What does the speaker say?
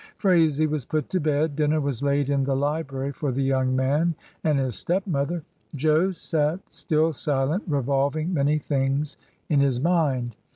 Phraisie was put to bed; dinner was laid in the library for the young man and his stepmother. Jo sat, still silent, revolving many things in his mind.